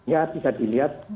ya tidak dilihat